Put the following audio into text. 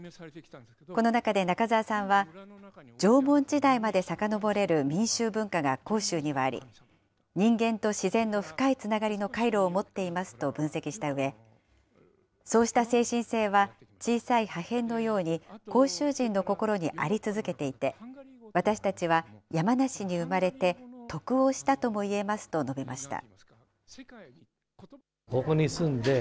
この中で中沢さんは、縄文時代までさかのぼれる民衆文化が甲州にはあり、人間と自然の深いつながりの回路を持っていますと分析したうえ、そうした精神性は小さい破片のように、甲州人の心にあり続けていて、私たちは山梨に生まれて得をしたともいえますと述べました。